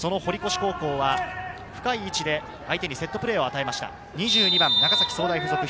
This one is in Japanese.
堀越高校は深い位置で相手にセットプレーを与えました。